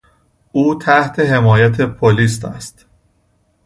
او تحت حمایت پلیس است.